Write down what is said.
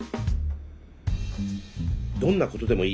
どんなことでもいい。